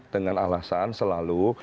dengan alasan selalu